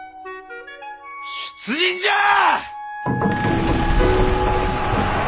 出陣じゃあ！